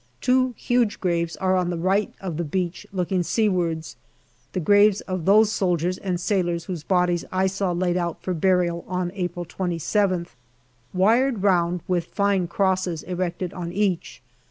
Two huge graves are on the right of the beach looking seawards the graves of those soldiers and sailors whose bodies I saw laid out for burial on April 27th, wired round, and with fine crosses erected on each.